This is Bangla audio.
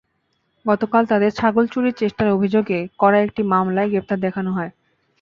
গতকাল তাঁদের ছাগল চুরির চেষ্টার অভিযোগে করা একটি মামলায় গ্রেপ্তার দেখানো হয়।